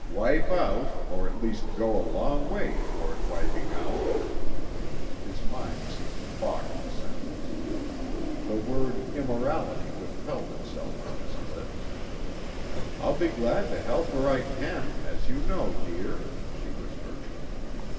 "Wipe out, or at least go a long way toward wiping out...." His mind seemed to balk at the sentence. The word "immorality" withheld itself from his lips. "I'll be glad to help where I can, as you know, dear," she whispered.